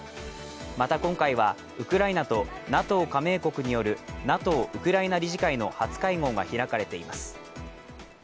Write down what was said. また今回はウクライナとＮＡＴＯ加盟国によるＮＡＴＯウクライナ理事会の初会合が開かれています。